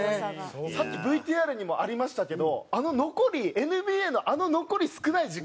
さっきＶＴＲにもありましたけどあの残りＮＢＡのあの残り少ない時間帯で。